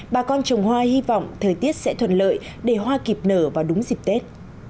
bà con trồng hoa hy vọng thời tiết sẽ thuận lợi để hoa kịp nở vào đúng dịp tết